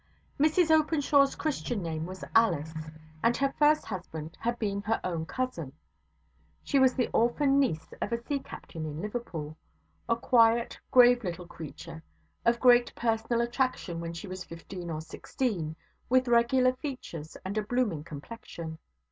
Mrs Openshaw's Christian name was Alice, and her first husband had been her own cousin. She was the orphan niece of a sea captain in Liverpool; a quiet, grave little creature, of great personal attraction when she was fifteen or sixteen, with regular features and a blooming complexion.